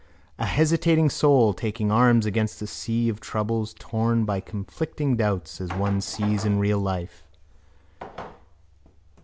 A hesitating soul taking arms against a sea of troubles, torn by conflicting doubts, as one sees in real life.